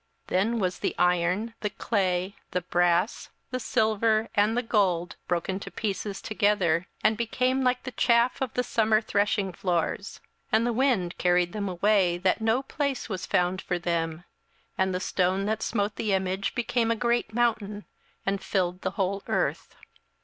27:002:035 Then was the iron, the clay, the brass, the silver, and the gold, broken to pieces together, and became like the chaff of the summer threshingfloors; and the wind carried them away, that no place was found for them: and the stone that smote the image became a great mountain, and filled the whole earth.